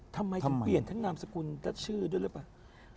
ทำไมถึงเปลี่ยนทั้งนามสกุลและชื่อด้วยหรือเปล่า